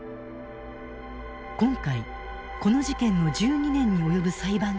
今回この事件の１２年に及ぶ裁判記録を閲覧。